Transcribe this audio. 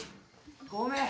ごめん！